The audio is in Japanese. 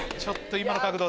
今の角度。